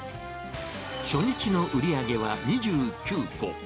初日の売り上げは２９個。